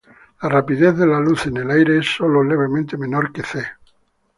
La rapidez de la luz en el aire es solo levemente menor que "c".